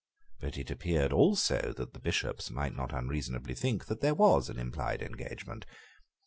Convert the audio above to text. But it appeared also that the Bishops might not unreasonably think that there was an implied engagement.